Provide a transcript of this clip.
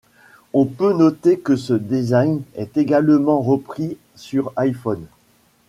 On peut noter que ce design est également repris sur l'iPhone.